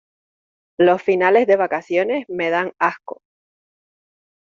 Los finales de vacaciones me dan asco.